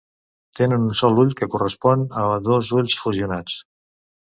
Tenen un sol ull que correspon a dos ulls fusionats.